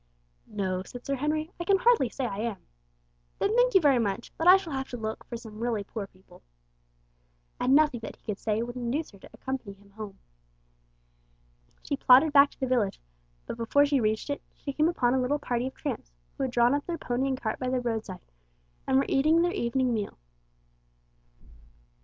"No," said Sir Henry. "I can hardly say I am." "Then thank you very much, but I shall have to look for some really poor people." And nothing that he could say would induce her to accompany him home. She plodded back to the village, but before she reached it, she came upon a little party of tramps who had drawn up their pony and cart by the roadside, and were eating their evening meal.